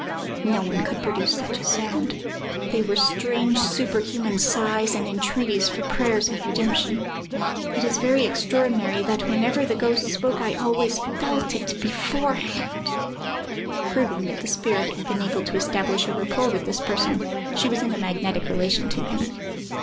No one could produce such a sound. They were strange, superhuman sighs and entreaties for prayers and redemption. "It is very extraordinary that, whenever the ghost spoke, I always felt it beforehand. [Proving that the spirit had been able to establish a rapport with this person. She was in a magnetic relation to him.